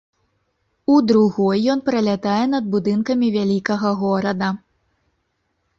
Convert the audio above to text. У другой ён пралятае над будынкамі вялікага горада.